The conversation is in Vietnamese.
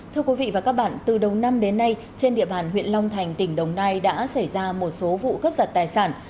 thưa quý vị và các bạn từ đầu năm đến nay trên địa bàn huyện long thành tỉnh đồng nai đã xảy ra một số vụ cấp giật tài sản